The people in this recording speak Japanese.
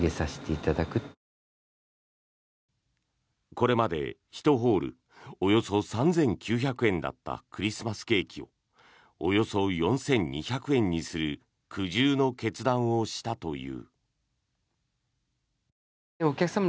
これまで１ホールおよそ３９００円だったクリスマスケーキをおよそ４２００円にする苦渋の決断をしたという。